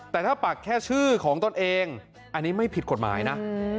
แต่ถ้าปักแค่ชื่อของตนเองอันนี้ไม่ผิดกฎหมายนะ